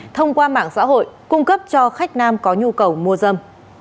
thông qua mạng xã hội cung cấp cho khách nam có nhu cầu mua dâm